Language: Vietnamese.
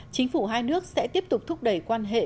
chính phủ hai nước sẽ tiếp tục thúc đẩy quan hệ